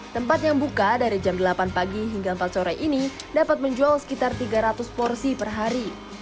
tempat yang buka dari jam delapan pagi hingga empat sore ini dapat menjual sekitar tiga ratus porsi per hari